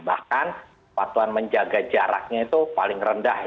bahkan kepatuhan menjaga jaraknya itu paling rendah